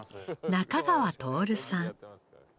中川徹さん。